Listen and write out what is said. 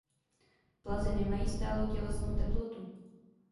Plazi nemají stálou tělesnou teplotu.